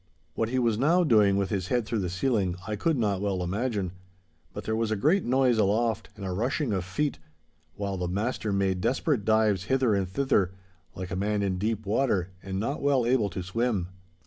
What he was now doing with his head through the ceiling I could not well imagine. But there was a great noise aloft and a rushing of feet, while the master made desperate dives hither and thither, like a man in deep water and not well able to swim.